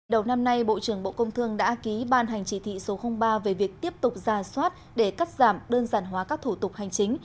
đầu năm nay bộ trưởng bộ công thương đã ký ban hành chỉ thị số ba về việc tiếp tục ra soát để cắt giảm đơn giản hóa các thủ tục hành chính